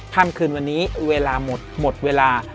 ค่ำคืนวันนี้เวลาหมดหมดเวลา